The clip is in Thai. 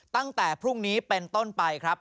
ตั้งแต่พรุ่งนี้เป็นต้นไปครับ